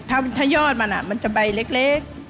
ถ้ายอดมันมันจะใบเล็ก